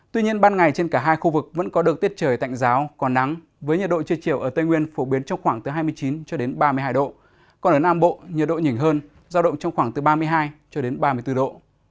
tuy nhiên ban ngày trên cả hai khu vực vẫn có được tiết trời tạnh ráo còn nắng với nhiệt độ chưa chiều ở tây nguyên phổ biến trong khoảng từ hai mươi chín ba mươi hai độ còn ở nam bộ nhiệt độ nhỉnh hơn giao động trong khoảng từ ba mươi hai ba mươi bốn độ